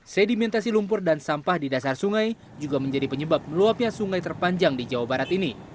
sedimentasi lumpur dan sampah di dasar sungai juga menjadi penyebab meluapnya sungai terpanjang di jawa barat ini